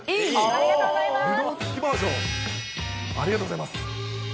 ありがとうございます。